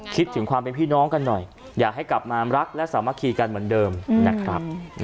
คิดถึงความเป็นพี่น้องกันหน่อยอยากให้กลับมารักและสามัคคีกันเหมือนเดิมนะครับ